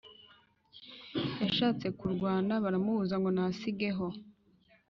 Yashatse kurwana baramubuza ngo nasigeho